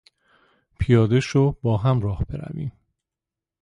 پیاده شو باهم راه برویم!